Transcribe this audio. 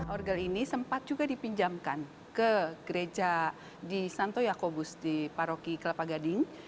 orgel ini sempat juga dipinjamkan ke gereja di santo yakobus di paroki kelapa gading